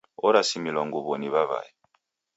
Orasimilwa nguwo ni wawae